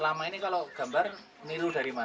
lama ini kalau gambar milu dari mana